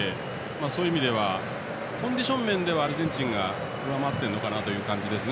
そういう意味ではコンディション面ではアルゼンチンが上回っている感じですね